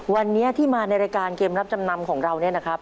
วันนี้ที่มาในรายการเกมรับจำนำของเรา